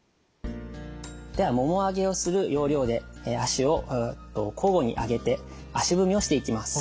ではもも上げをする要領で足を交互に上げて足踏みをしていきます。